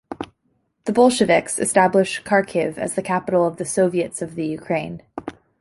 The Bolsheviks established Kharkiv as the capital of the "Soviets of the Ukraine".